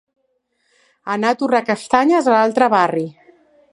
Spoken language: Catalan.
Anar a torrar castanyes a l'altre barri.